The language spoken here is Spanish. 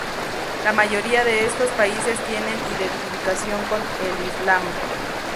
La mayoría de estos países tiene identificación con el Islam.